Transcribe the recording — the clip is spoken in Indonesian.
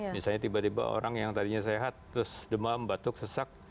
misalnya tiba tiba orang yang tadinya sehat terus demam batuk sesak